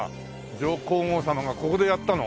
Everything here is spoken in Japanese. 上皇后さまがここでやったの？